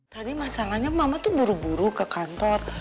tadi masalahnya mama tuh buru buru ke kantor